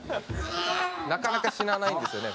なかなか死なないんですよね。